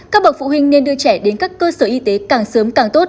các bậc phụ huynh nên đưa trẻ đến các cơ sở y tế càng sớm càng tốt